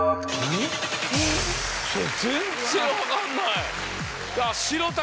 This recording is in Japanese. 全然分かんない。